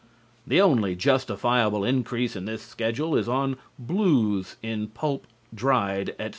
The only justifiable increase in this schedule is on "blues, in pulp, dried, etc."